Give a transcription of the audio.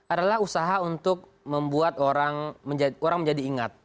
adalah usaha untuk membuat orang menjadi ingat